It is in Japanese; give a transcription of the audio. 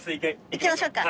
行きましょうか。